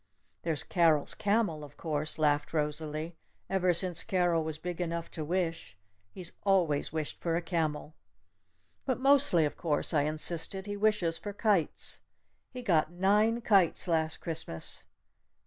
"There's Carol's camel, of course," laughed Rosalee. "Ever since Carol was big enough to wish, he's always wished for a camel!" "But mostly, of course," I insisted, "he wishes for kites! He got nine kites last Christmas."